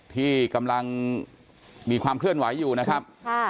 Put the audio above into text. ที่กำลังมีความเคลื่อนไหวอยู่นะครับ